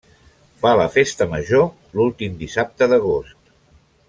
Fa la festa major l'últim dissabte d'agost.